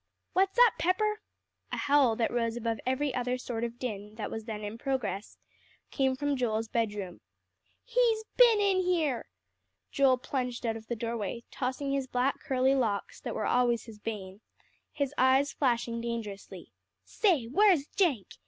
"What's up, Pepper?" A howl that rose above every other sort of din that was then in progress, came from Joel's room. "He's been in here!" Joel plunged out of the doorway, tossing his black, curly locks, that were always his bane, his eyes flashing dangerously. "Say, where's Jenk?